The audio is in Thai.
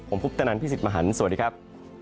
ผมพุทธนันพี่สิทธิมหันฯสวัสดีครับ